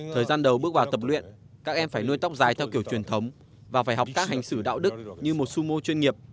thời gian đầu bước vào tập luyện các em phải nuôi tóc dài theo kiểu truyền thống và phải học các hành xử đạo đức như một sumo chuyên nghiệp